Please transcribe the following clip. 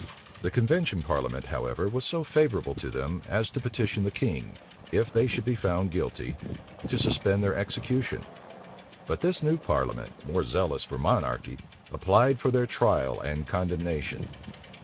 The convention parliament, however, was so favorable to them, as to petition the king, if they should be found guilty, to suspend their execution: but this new parliament, more zealous for monarchy, applied for their trial and condemnation.